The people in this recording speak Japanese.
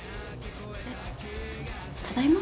えただいま？